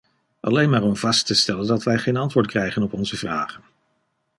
Alleen maar om vast te stellen dat wij geen antwoord krijgen op onze vragen.